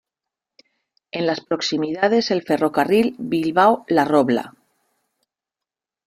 En las proximidades el ferrocarril Bilbao La Robla.